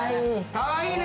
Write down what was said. かわいいね！